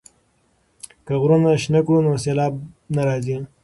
که غرونه شنه کړو نو سیلاب نه راځي.